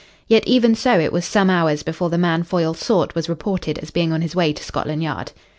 Yet, even so, it was some hours before the man Foyle sought was reported as being on his way to Scotland Yard.